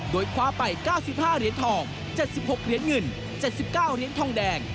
โดยคว้าไป๙๕เหรียญทอง๗๖เหรียญเงิน๗๙เหรียญทองแดง